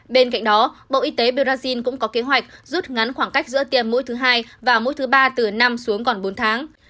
bên cạnh đó bộ y tế brazil cũng có kế hoạch rút ngắn khoảng cách giữa tiêm mũi thứ hai và mỗi thứ ba từ năm xuống còn bốn tháng